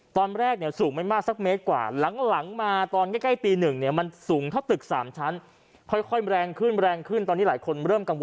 เท่านี้ไฟมันสูงกว่าเดิม